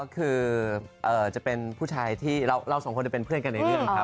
คือจะเป็นผู้ชายที่เราสองคนด้วยเป็นเพื่อนในเรื่อง